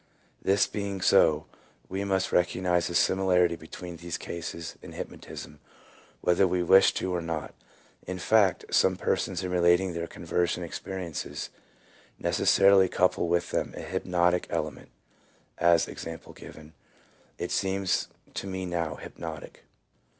This being so, we must re cognize a similarity between these cases and hyp notism, whether we wish to or not; in fact, some persons in relating their conversion experiences necessarily couple with them an hypnotic element —■ as, e.g., " It seems to me now hypnotic."